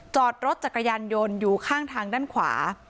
จอดรถจักรยานยนต์อยู่ข้างทางด้านขวา